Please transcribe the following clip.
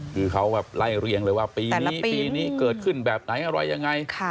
คือเขาแบบไล่เรียงเลยว่าปีนี้ปีนี้เกิดขึ้นแบบไหนอะไรยังไง